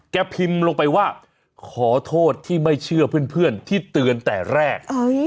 พิมพ์ลงไปว่าขอโทษที่ไม่เชื่อเพื่อนที่เตือนแต่แรก